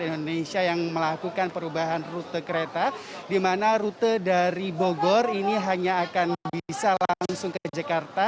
indonesia yang melakukan perubahan rute kereta di mana rute dari bogor ini hanya akan bisa langsung ke jakarta